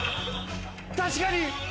確かに！